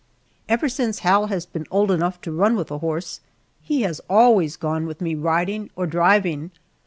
Ever since Hal has been old enough to run with a horse, he has always gone with me riding or driving.